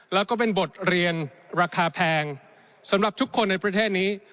แล้วก็เป็นบทเรียนราคาแพงสำหรับทุกคนในประเทศนี้